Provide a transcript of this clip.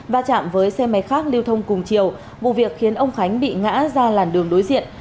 và chạm với xe máy khác lưu thông cùng chiều vụ việc khiến ông khánh bị ngã ra làn đường đối diện